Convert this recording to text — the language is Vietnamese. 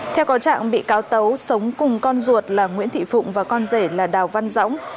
theo có trạng bị cáo tấu sống cùng con ruột là nguyễn thị phụng và con rể là đào văn dõng